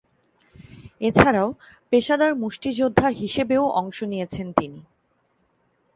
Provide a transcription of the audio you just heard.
এছাড়াও, পেশাদার মুষ্টিযোদ্ধা হিসেবেও অংশ নিয়েছেন তিনি।